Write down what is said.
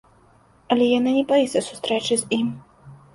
Але яна не баіцца сустрэчы з ім.